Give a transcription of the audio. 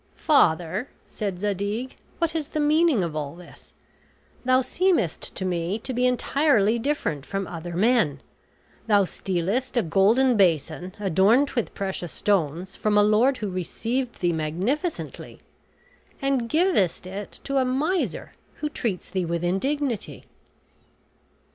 "Father," said Zadig, "what is the meaning of all this? Thou seemest to me to be entirely different from other men; thou stealest a golden basin adorned with precious stones from a lord who received thee magnificently, and givest it to a miser who treats thee with indignity."